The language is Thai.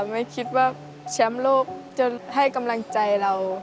ไม่คิดว่าแชมป์โลกจะให้กำลังใจเรา